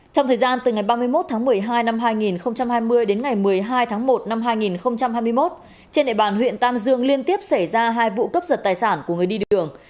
trong thời gian từ ngày ba mươi một tháng một mươi hai năm hai nghìn hai mươi đến ngày một mươi hai tháng một năm hai nghìn hai mươi một trên địa bàn huyện tam dương liên tiếp xảy ra hai vụ cấp giật tài sản của người đi đường